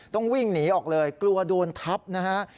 ต้องวิ่งหนีออกเลยกลัวโดนทับนะฮะ